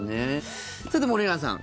さて、森永さん